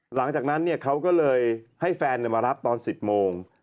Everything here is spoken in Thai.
หลังจากนั้นเขาก็เลยให้แฟนมารับตอน๑๐โมง